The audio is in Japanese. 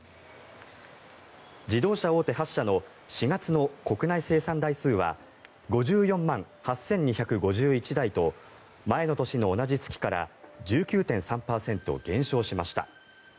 自動車大手８社の４月の国内生産台数は５４万８２５１台と前の年の同じ月から１９．３％減少しました。